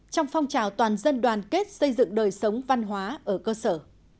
trong phong trào toàn dân đoàn kết xây dựng đời sống văn hóa ở cơ sở